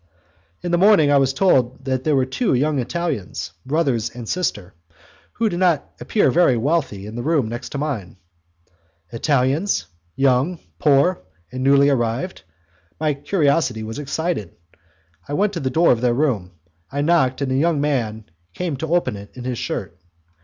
In the morning I was told that there were two young Italians, brother and sister, who did not appear very wealthy, in the next room to mine. Italians, young, poor and newly arrived, my curiosity was excited. I went to the door of their room, I knocked, and a young man came to open it in his shirt.